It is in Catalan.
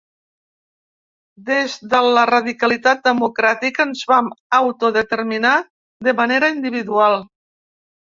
Des de la radicalitat democràtica ens vam autodeterminar de manera individual.